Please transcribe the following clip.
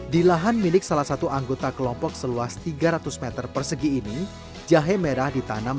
di lahan milik salah satu anggota kelompok seluas tiga ratus m persegi ini jahe merah ditanam